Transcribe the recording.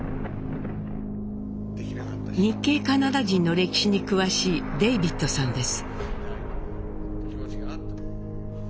日系カナダ人の歴史に詳しいデイビッドさんです。